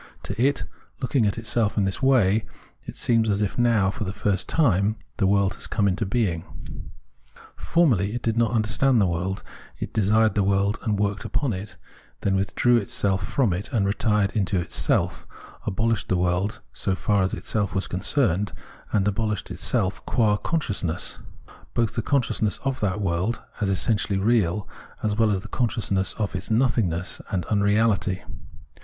To_it, looking at itself ia this way, it seems as if how, for the.. first time, the world had come into being. Formerly, it did not imderstand the world, it desired the world and worked upon it ; then withdrew itself from it and retired into itself, abohshed the world s6~"faf 'as itself was concerned, and abohshed itself qua consciousness — both the consciousness of that world as essentially real, as well as the consciousness of its nothingness and,, unreahty.